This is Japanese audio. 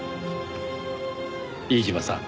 飯島さん